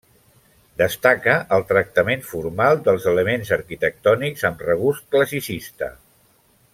Destaca el tractament formal dels elements arquitectònics amb regust classicista.